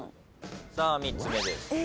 さあ３つ目です。